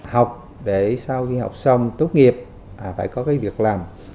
học để sau khi học xong tốt nghiệp phải có cái việc làm